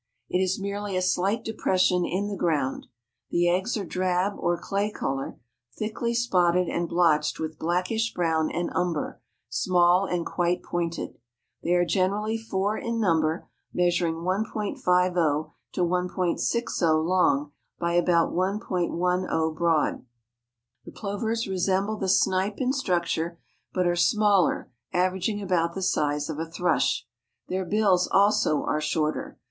It is merely a slight depression in the ground. The eggs are drab or clay color, thickly spotted and blotched with blackish brown and umber, small and quite pointed. They are generally four in number, measuring 1.50 to 1.60 long by about 1.10 broad. The plovers resemble the snipe in structure, but are smaller, averaging about the size of a thrush. Their bills also are shorter.